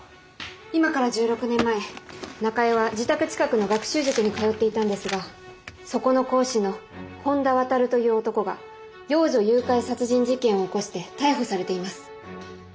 今から１６年前中江は自宅近くの学習塾に通っていたんですがそこの講師の本田亘という男が幼女誘拐殺人事件を起こして逮捕されています。